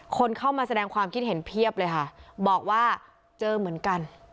คนเข้ามาแสดงความคิดเห็นเพียบเลยค่ะบอกว่าเจอเหมือนกัน